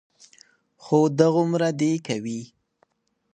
خو دغومره دې کوي،